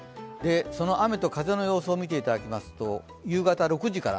その雨と風の予想を見ていきますと、夕方６時から。